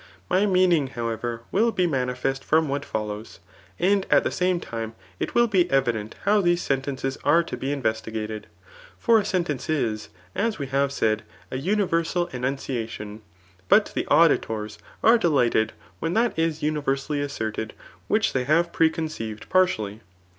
My meaning, however, will be mflmifost from what follows ; and at the same time it will be evident how these sentences are to be investigated* For a sentence is, as we have said, a uiiversal enundaticm ; but the auditors are delighted when that is universally asserted, which diey have pre* concdved partially.